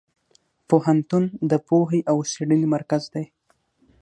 پوهنتون د پوهې او څېړنې مرکز دی.